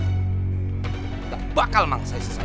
nggak bakal mangsa saya selesai